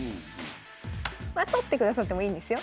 取ってくださってもいいんですよ。